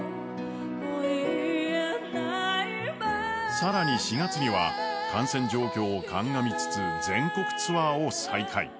さらに４月には感染状況を鑑みつつ全国ツアーを再開。